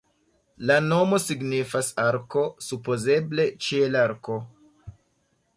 La nomo signifas "arko", supozeble "ĉielarko".